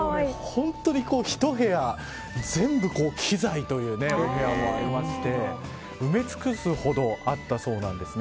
本当に１部屋全部、機材というね部屋もありまして埋め尽くすほどあったそうなんです。